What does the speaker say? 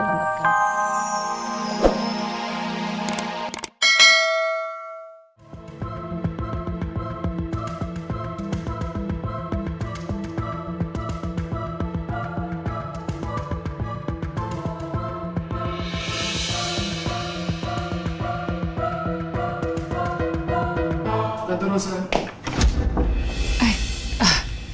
kita terus ya